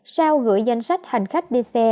sau gửi danh sách hành khách đi xe